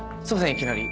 いきなり。